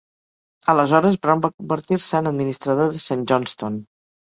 Aleshores Brown va convertir-se en administrador de Saint Johnstone.